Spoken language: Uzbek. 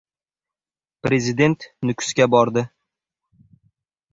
Prezident Nukusga bordi